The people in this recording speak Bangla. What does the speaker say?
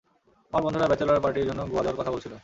আমার বন্ধুরা ব্যাচেলর পার্টির জন্য গোয়া যাওয়ার কথা বলছিল।